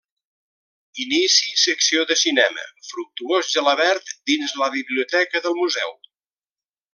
Inici Secció de Cinema Fructuós Gelabert dins la Biblioteca del Museu.